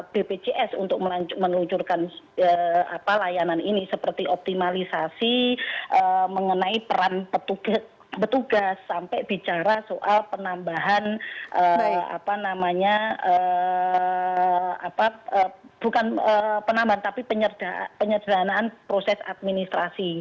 bpjs untuk meluncurkan layanan ini seperti optimalisasi mengenai peran petugas sampai bicara soal penambahan apa namanya bukan penambahan tapi penyerdanaan proses administrasi